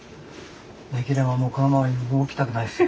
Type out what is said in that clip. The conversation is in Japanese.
できればもうこのまま動きたくないですよ。